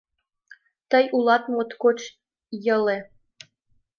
Тый улат моткоч йыле: